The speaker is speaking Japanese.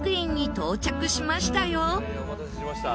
大変お待たせしました。